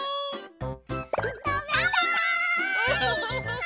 たべたい！